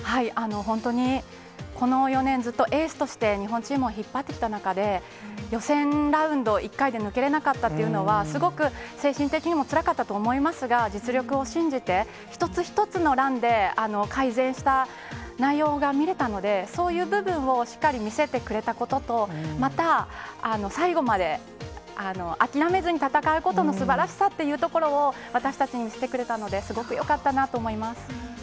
本当に、この４年ずっとエースとして、日本チームを引っ張ってきた中で、予選ラウンド、１回で抜けれなかったというのは、すごく精神的にもつらかったと思いますが、実力を信じて、一つ一つのランで改善した内容が見れたので、そういう部分をしっかり見せてくれたことと、また、最後まで諦めずに戦うことのすばらしさっていうところを、私たちに見せてくれたのですごくよかったなと思います。